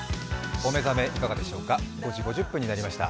お目覚めいかがでしょうか５時５０分になりました。